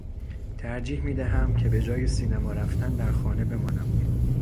ترجیح میدهم که به جای سینما رفتن در خانه بمانم.